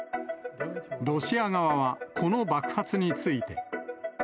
ロシア側は、この爆発について。